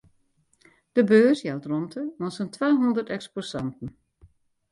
De beurs jout romte oan sa'n twahûndert eksposanten.